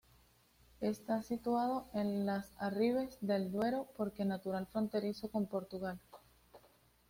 Está situado en Las Arribes del Duero, parque natural fronterizo con Portugal.